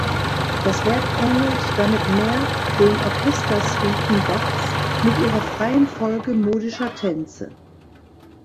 Das Werk ähnelt damit mehr den Orchestersuiten Bachs mit ihrer freien Folge modischer Tänze.